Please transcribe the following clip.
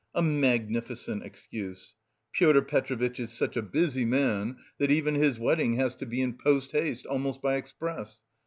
A magnificent excuse: 'Pyotr Petrovitch is such a busy man that even his wedding has to be in post haste, almost by express.